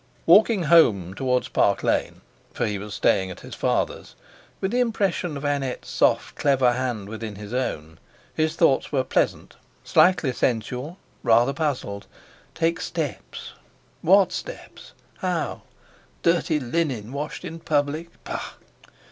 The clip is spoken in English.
Walking home towards Park Lane—for he was staying at his father's—with the impression of Annette's soft clever hand within his own, his thoughts were pleasant, slightly sensual, rather puzzled. Take steps! What steps? How? Dirty linen washed in public? Pah!